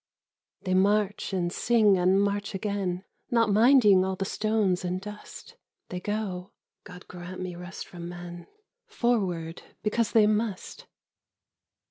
" They march and sing and march again, Not minding all the stones and dust ; They go (God grant me rest from men !) Forward because they must."